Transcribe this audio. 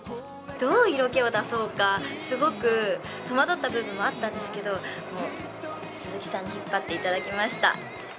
どう色気を出そうか、すごく戸惑った部分もあったんですけど、鈴木さんに引っ張っていただきました。